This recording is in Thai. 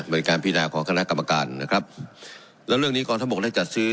เป็นการพินาของคณะกรรมการนะครับแล้วเรื่องนี้กองทบกได้จัดซื้อ